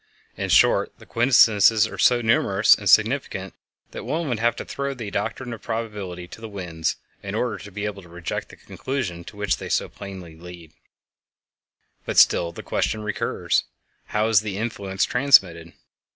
In short, the coincidences are so numerous and significant that one would have to throw the doctrine of probability to the winds in order to be able to reject the conclusion to which they so plainly lead. [Illustration: Auroral curtain seen in Scandinavia] But still the question recurs: How is the influence transmitted?